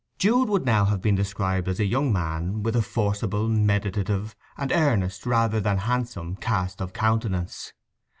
Jude would now have been described as a young man with a forcible, meditative, and earnest rather than handsome cast of countenance.